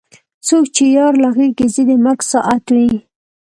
څوک چې یار له غېږې ځي د مرګ ساعت وي.